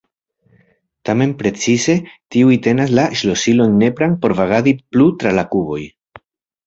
Tamen precize tiuj tenas la ŝlosilon nepran por vagadi plu tra la kuboj.